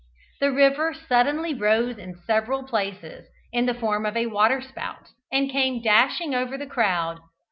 The river suddenly rose in several places, in the form of a waterspout, and came dashing over the crowd.